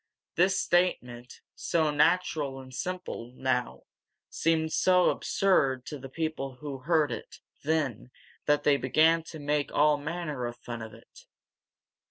This statement, so natural and simple now, seemed so absurd to the people who heard it then that they began to make all manner of fun of it.